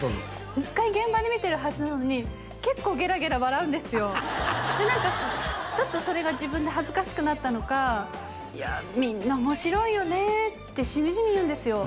一回現場で見てるはずなのに結構ゲラゲラ笑うんですよでなんかちょっとそれが自分で恥ずかしくなったのか「みんな面白いよね」ってしみじみ言うんですよ